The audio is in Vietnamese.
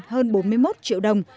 hơn bốn mươi một triệu đồng